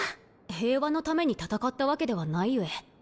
平和のために戦ったわけではないゆえ。